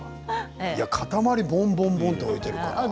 塊をボンボンって置いてるから。